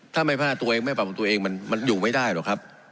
ถ้าไม่พลาดตัวเองไม่ปรับของตัวเองมันอยู่ไม่ได้หรอกครับ